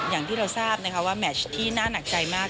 อย่างที่เราทราบนะคะว่าแมชที่น่าหนักใจมาก